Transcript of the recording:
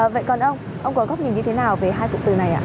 vậy còn ông ông có góp nhìn như thế nào về hai cụm từ này ạ